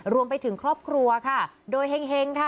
รวมไปถึงครอบครัวค่ะโดยเฮ็งค่ะ